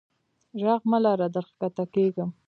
ږغ مه لره در کښته کیږم.